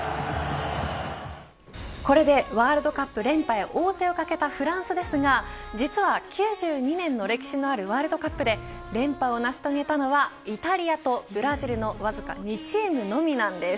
これでワールドカップ連覇へ王手をかけたフランスですが実は、９２年の歴史のあるワールドカップで連覇を成し遂げたのはイタリアとブラジルのわずか２チームのみなんです。